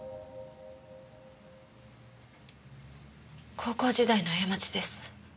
高校時代の過ちです。